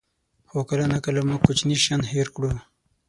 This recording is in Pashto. خو کله ناکله موږ کوچني شیان هېر کړو.